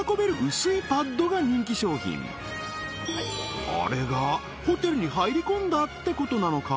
薄いパッドが人気商品あれがホテルに入り込んだってことなのか？